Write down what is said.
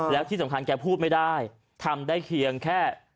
แล้วที่สำคัญแกพูดไม่ได้ทำได้เพียงแค่